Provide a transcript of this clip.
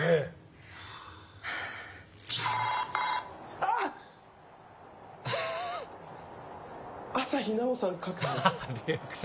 あっ、朝日奈央さん確保。